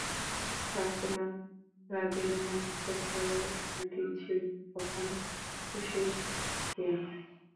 ঠাকরুন, রাজিনামা লিখে-পড়ে দিচ্ছি, যখন খুশি ঠকিয়ো।